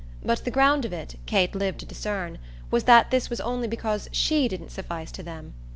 But the ground of it, Kate lived to discern, was that this was only because SHE didn't suffice to them.